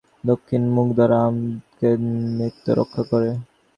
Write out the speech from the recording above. হে রুদ্র, তোমার যে করুণাপূর্ণ দক্ষিণমুখ, তদ্দ্বারা আমাদিগকে নিত্য রক্ষা কর।